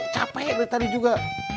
capek dari tadi juga